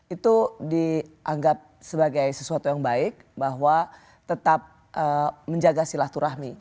itu dianggap sebagai sesuatu yang baik bahwa tetap menjaga silaturahmi